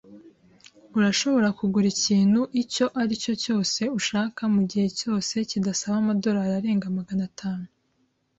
Urashobora kugura ikintu icyo ari cyo cyose ushaka, mugihe cyose kidasaba amadorari arenga magana atatu.